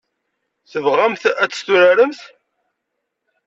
Tebɣamt ad tt-turaremt?